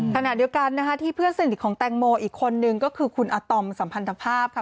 ขณะเดียวกันนะคะที่เพื่อนสนิทของแตงโมอีกคนนึงก็คือคุณอาตอมสัมพันธภาพค่ะ